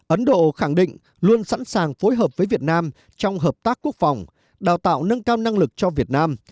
ấn độ khẳng định luôn sẵn sàng phối hợp với việt nam trong hợp tác quốc phòng đào tạo nâng cao năng lực cho việt nam